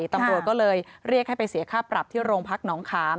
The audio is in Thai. ตำรวจก็เลยเรียกให้ไปเสียค่าปรับที่โรงพักน้องคาม